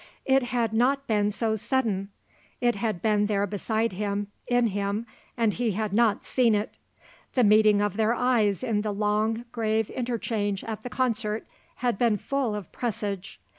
It had not been so sudden. It had been there beside him, in him; and he had not seen it. The meeting of their eyes in the long, grave interchange at the concert had been full of presage.